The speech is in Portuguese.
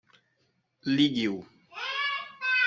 Ligue-o.